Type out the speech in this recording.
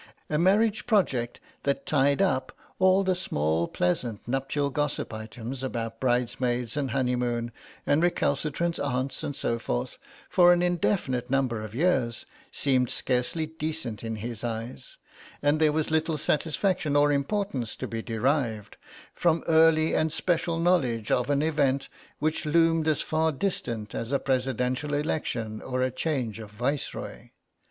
A marriage project that tied up all the small pleasant nuptial gossip items about bridesmaids and honeymoon and recalcitrant aunts and so forth, for an indefinite number of years seemed scarcely decent in his eyes, and there was little satisfaction or importance to be derived from early and special knowledge of an event which loomed as far distant as a Presidential Election or a change of Viceroy.